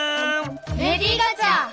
レディー・ガチャ！